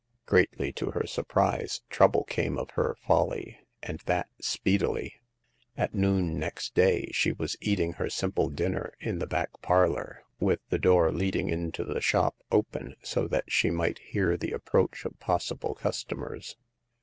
Greatly to her surprise, trouble came of her folly, and that speedily. At noon next day she was eating her simple dinner in the back parlor, with the door leading into the shop open, so that she might hear the approach of possible customers.